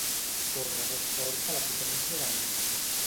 Posa més forta la potència de la música.